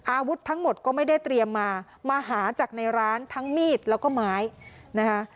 อาวุธทั้งหมดก็ไม่ได้เตรียมมามาหาจากในร้านทั้งมีดแล้วก็ไม้นะคะ